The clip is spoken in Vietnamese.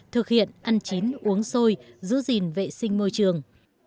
thực hiện ăn chín uống sôi giữ gìn vệ sinh môi trường